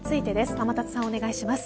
天達さんお願いします。